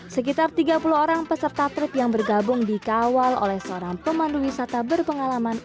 sekitar tiga puluh orang peserta truk yang bergabung dikawal oleh seorang pemandu wisata berpengalaman